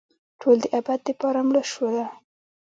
ټول دابد دپاره مړه شوله